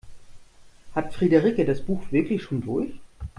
Hat Friederike das Buch wirklich schon durch?